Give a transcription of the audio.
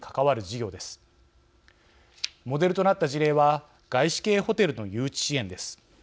モデルとなった事例は外資系ホテルの誘致支援です。